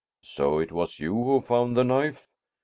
"So it was you who found the knife!"